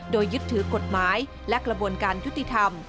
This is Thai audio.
โดยยึดถือกฎหมายและกระบวนการยุติธรรม